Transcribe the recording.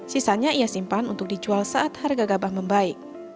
sisanya ia simpan untuk dijual saat harga gabah membaik